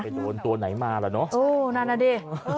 โดนตัวไหนมาล่ะเนอะโอ้นั่นน่ะดิ